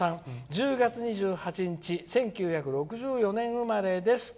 「１０月２８日１９６４年生まれです。